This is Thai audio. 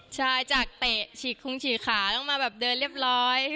ใช่จากเตะฉีกคงฉีกขาต้องมาแบบเดินเรียบร้อย